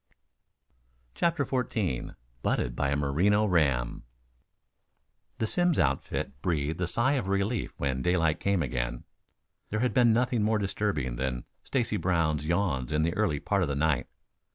CHAPTER XIV BUNTED BY A MERINO RAM The Simms outfit breathed a sigh of relief when daylight came again. There had been nothing more disturbing than Stacy Brown's yawns in the early part of the night.